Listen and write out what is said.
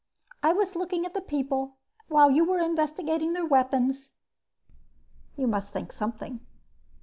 I was looking at the people while you were investigating their weapons." "You must think something."